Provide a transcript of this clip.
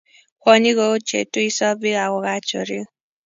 kwoni kou cheituisot biik ako kaa chorik